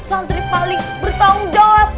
santri paling bertanggung jawab